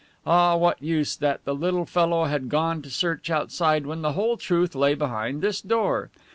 Ah, what use that the little fellow had gone to search outside when the whole truth lay behind this door?